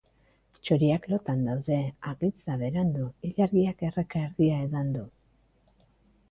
Txoriak lotan daude, hagitz da berandu, ilargiak erreka erdia edan du.